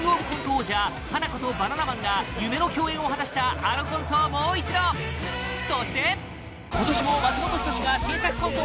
王者ハナコとバナナマンが夢の共演を果たしたあのコントをもう一度そして今年も松本人志が新作コント